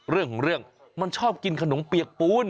เรื่องมันชอบกินขนมเปียกปูณ